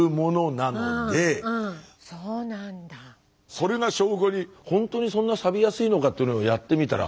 それが証拠にほんとにそんなサビやすいのかっていうのをやってみたら。